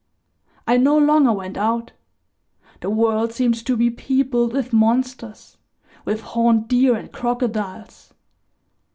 I no longer went out; the world seemed to be peopled with monsters, with horned deer and crocodiles.